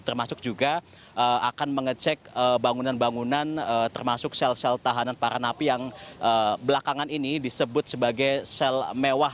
termasuk juga akan mengecek bangunan bangunan termasuk sel sel tahanan para napi yang belakangan ini disebut sebagai sel mewah